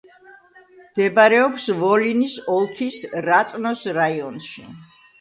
მდებარეობს ვოლინის ოლქის რატნოს რაიონში.